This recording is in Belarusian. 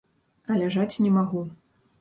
А ляжаць не магу.